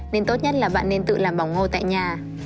nên tốt nhất là bạn nên tự làm bảo ngô tại nhà